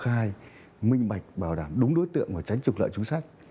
cho nên là rất công khai minh bạch bảo đảm đúng đối tượng và tránh trục lợi chúng sách